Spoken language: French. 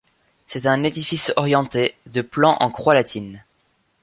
C'est un édifice orienté, de plan en croix latine.